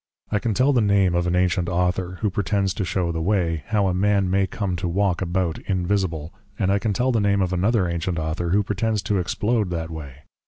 I can tell the Name of an Ancient Author, who pretends to show the way, how a man may come to walk about Invisible, and I can tell the Name of another Ancient Author, who pretends to Explode that way.